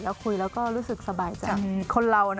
แล้วคุยแล้วก็รู้สึกสบายใจคนเรา